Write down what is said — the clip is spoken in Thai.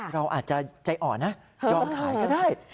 เราอาจจะใจอ่อนนะยอมขายก็ได้